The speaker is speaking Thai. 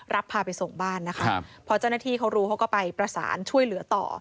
พาไปส่งบ้านนะคะพอเจ้าหน้าที่เขารู้เขาก็ไปประสานช่วยเหลือต่อ